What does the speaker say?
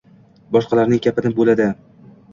boshqalarning gapini bo‘ladi